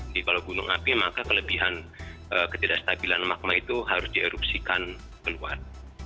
jadi kalau gunung api maka kelebihan ketidakstabilan magma itu harus di erupsikan keluar